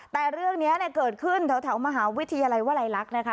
แต่เรื่องนี้เกิดขึ้นแถวมหาวิทยาลัยวลัยลักษณ์นะคะ